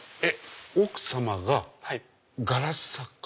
奥さまがガラス作家？